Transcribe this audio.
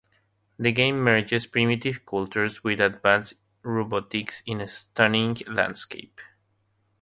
The game merges primitive cultures with advanced robotics in a stunning landscape.